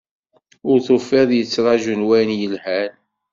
Ur tufiḍ i yettraju n wayen yelhan